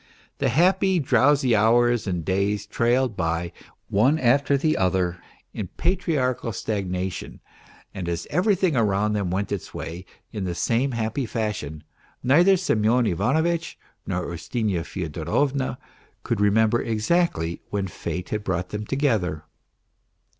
The happy, drowsy hours and days trailed by, one after the other, in patriarchal stagnation, and as everything around them went its way in the same happy fashion, neither Semyon Ivano vitch nor Ustinya Fyodorovna could remember exactly when fate had brought them together.